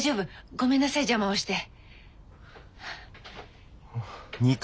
ごめんなさい邪魔をして。